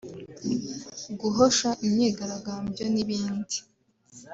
guhosha imyigaragambyo n’ibindi